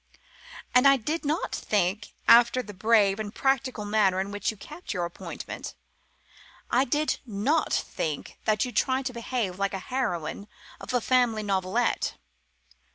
But I did not think, after the brave and practical manner in which you kept your appointment, I did not think that you'd try to behave like the heroine of a family novelette.